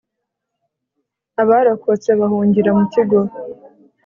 abarokotse bahungira mu kigo